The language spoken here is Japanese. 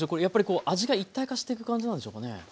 やっぱりこう味が一体化していく感じなんでしょうかね。